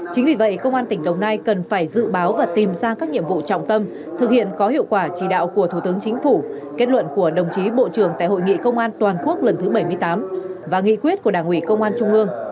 chính vì vậy công an tỉnh đồng nai cần phải dự báo và tìm ra các nhiệm vụ trọng tâm thực hiện có hiệu quả chỉ đạo của thủ tướng chính phủ kết luận của đồng chí bộ trưởng tại hội nghị công an toàn quốc lần thứ bảy mươi tám và nghị quyết của đảng ủy công an trung ương